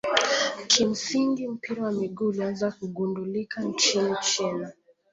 kimsingi mpira wa miguu ulianza kugundulika nchini china